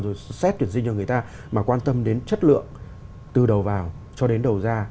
rồi xét tuyển sinh cho người ta mà quan tâm đến chất lượng từ đầu vào cho đến đầu ra